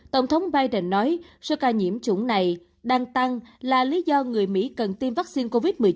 tổng thống biden nói số ca nhiễm chủng này đang tăng là lý do người mỹ cần tiêm vaccine covid một mươi chín